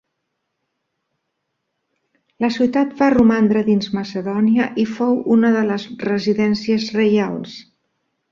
La ciutat va romandre dins Macedònia i fou una de les residències reials.